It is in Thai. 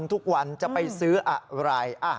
ทุกวันจะไปซื้ออะไร